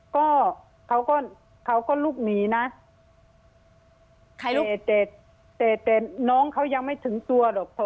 ก็เขาก็เขาก็ลุกหนีนะลูกแต่แต่น้องเขายังไม่ถึงตัวหรอก